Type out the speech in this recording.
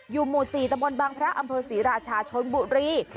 หมู่๔ตะบนบางพระอำเภอศรีราชาชนบุรี